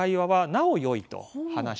なおよい。